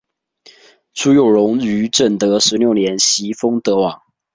朱佑榕于正德十六年袭封德王。